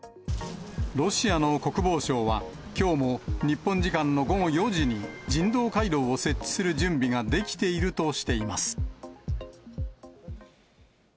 ロシアの国防省は、きょうも日本時間の午後４時に、人道回廊を設置する準備が出来ているとしています。